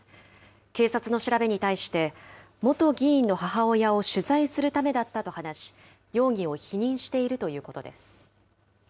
警察の調べに対して、元議員の母親を取材するためだったと話し、容疑を否認しているということです。